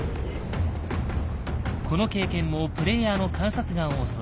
この経験もプレイヤーの観察眼を育てる。